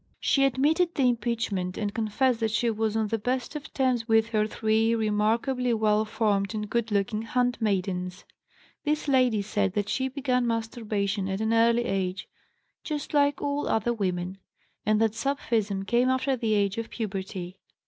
She admitted the impeachment and confessed that she was on the best of terms with her three remarkably well formed and good looking handmaidens. This lady said that she began masturbation at an early age, 'just like all other women,' and that sapphism came after the age of puberty.